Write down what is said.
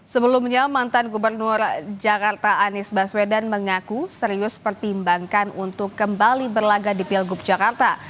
sebelumnya mantan gubernur jakarta anies baswedan mengaku serius pertimbangkan untuk kembali berlagak di pilgub jakarta